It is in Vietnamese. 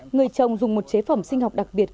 người trồng dùng một chế phẩm sinh học đặc biệt